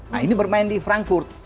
nah ini bermain di frankfurt